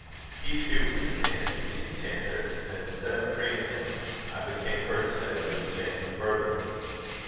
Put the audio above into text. He, too, was in the hands of the enchantress, and, instead of freeing him, I became her slave to enchain him further."